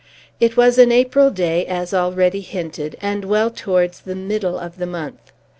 It was an April day, as already hinted, and well towards the middle of the month.